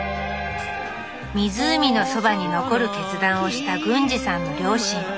湖のそばに残る決断をした軍治さんの両親。